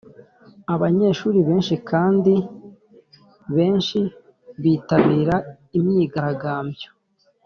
abanyeshuri benshi kandi benshi bitabira imyigaragambyo.